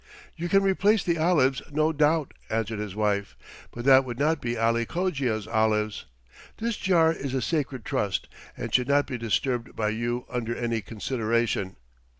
"You can replace the olives, no doubt," answered his wife, "but they would not be Ali Cogia's olives. This jar is a sacred trust and should not be disturbed by you under any consideration."